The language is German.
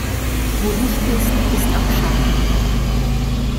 Wo Licht ist, ist auch Schatten.